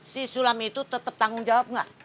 si sulam itu tetep tanggung jawab gak